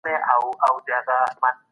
نارینه ولي ښځې ته محتاج دی؟